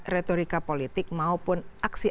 retorika politik maupun aksi aksi yang kita lakukan